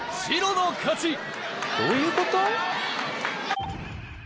どういうこと？